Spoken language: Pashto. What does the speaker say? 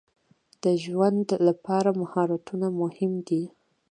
د ژوند لپاره مهارتونه مهم دي.